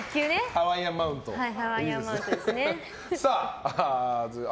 ハワイアンマウントですね。